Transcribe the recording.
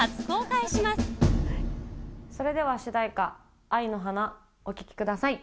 それでは主題歌「愛の花」お聴きください。